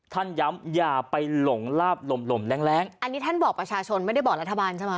ท่านย้ำอย่าไปหลงลาบลมลมแรงแรงอันนี้ท่านบอกประชาชนไม่ได้บอกรัฐบาลใช่ไหม